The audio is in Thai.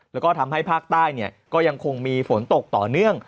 แล้วก็ทำให้ภาคใต้ก็ยังคงมีฝนตกต่อเนื่อง